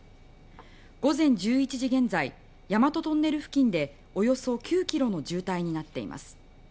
午前１１時現在大和トンネル付近でおよそ９ｋｍの渋滞になっています。